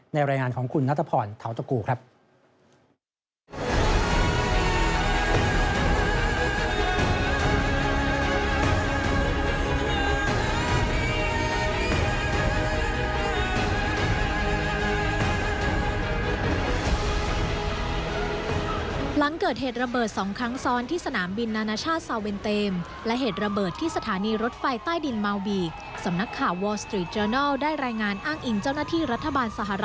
ในรายงานของคุณณธพรท้าวจักรูครับ